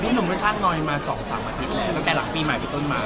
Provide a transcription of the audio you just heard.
หนุ่มค่อนข้างน้อยมา๒๓อาทิตย์แล้วตั้งแต่หลังปีใหม่ไปต้นมา